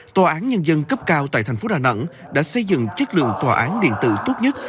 tòa án nhân dân cấp cao tại thành phố đà nẵng đã xây dựng chất lượng tòa án điện tử tốt nhất